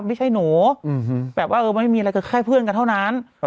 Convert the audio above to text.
ไม่ใช่หนูแบบว่าเออมันไม่มีอะไรก็แค่เพื่อนกันเท่านั้น